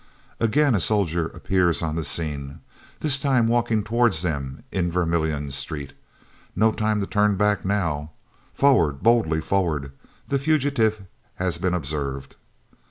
Again a soldier appears on the scene, this time walking towards them in Vermeulen Street. No time to turn back now; forward, boldly forward the fugitive has been observed.